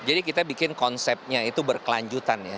jadi kita bikin konsepnya itu berkelanjutan ya